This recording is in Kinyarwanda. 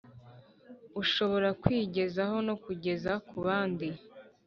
ushobora kwigezaho no kugeza ku bandi